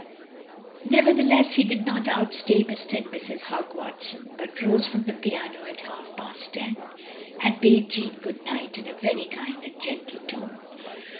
Nevertheless he did not outstay Mr. and Mrs. Hogg Watson, but rose from the piano at half past ten, and bade Jeanne good night in a very kind and gentle tone.